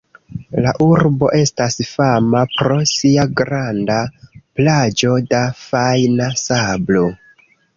La urbo estas fama pro sia granda plaĝo da fajna sablo.